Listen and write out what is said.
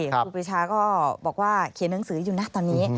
ครูปีชาก็บอกว่าเขียนหนังสืออยู่นะตอนนี้